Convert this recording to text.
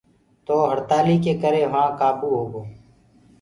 تو هڙتآلي ڪي ڪري وهآ ڪآبو هوگو۔